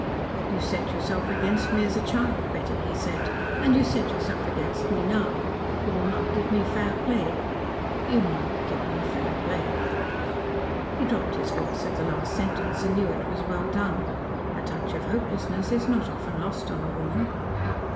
"You set yourself against me, as a child, Betty," he said. "And you set yourself against me now. You will not give me fair play. You might give me fair play." He dropped his voice at the last sentence, and knew it was well done. A touch of hopelessness is not often lost on a woman.